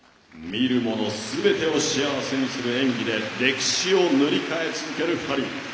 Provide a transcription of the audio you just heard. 見るものすべてを幸せにする演技で歴史を塗り替え続けている２人。